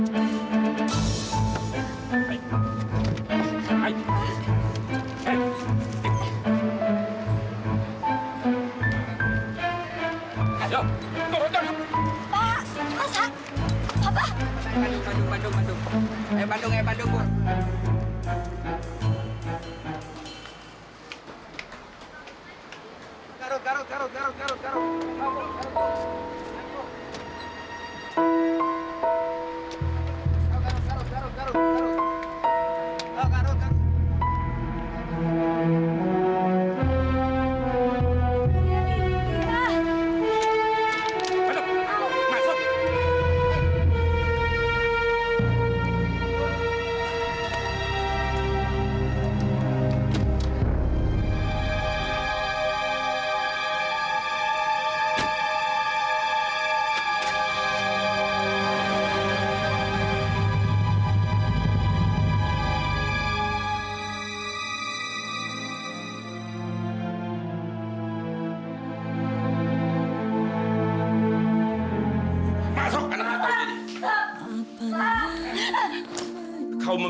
kau membuat malu orang tua